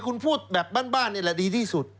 คุณพูดแบบบ้านนี่แหละดีที่สุด